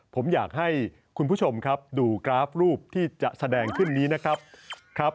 ผมอยากให้คุณผู้ชมครับดูกราฟรูปที่จะแสดงขึ้นนี้นะครับ